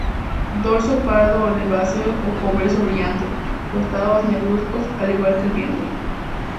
Dorso pardo oliváceo o cobrizo brillante, costados negruzcos, al igual que el vientre.